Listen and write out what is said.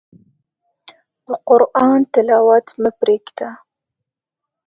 د قرآن تلاوت مه پرېږده.